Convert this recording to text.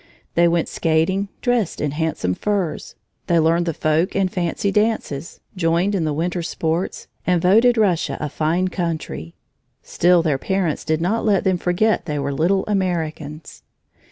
They went skating, dressed in handsome furs; they learned the folk and fancy dances, joined in the winter sports, and voted Russia a fine country. Still their parents did not let them forget they were little Americans.